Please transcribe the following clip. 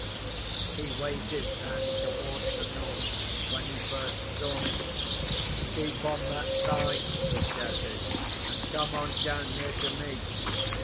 He waved his hand towards the north, when he first saw me. "Keep on that side!" he shouted. "And come on down here to me!"